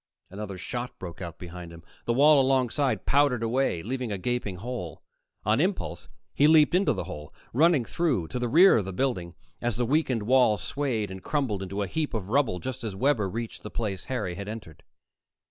Another shot broke out behind him. The wall alongside powdered away, leaving a gaping hole. On impulse, he leaped into the hole, running through to the rear of the building as the weakened wall swayed and crumbled into a heap of rubble just as Webber reached the place Harry had entered.